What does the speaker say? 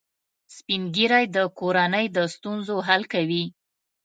سپین ږیری د کورنۍ د ستونزو حل کوي